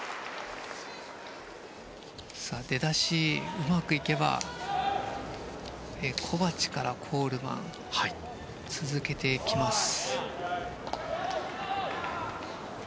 出だし、うまくいけばコバチからコールマンを続けてきます。